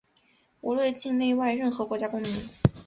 无论境内外、任何国家公民